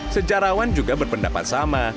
sejarawan juga berpendapat sama